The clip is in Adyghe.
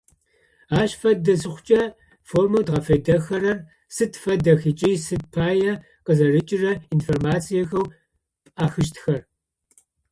Ащ фэдэ зыхъукӏэ формэу дгъэфедэхэрэр сыд фэдэх ыкӏи сыд пая къызэрыкӏырэ информациехэу пӏахыщтхэр.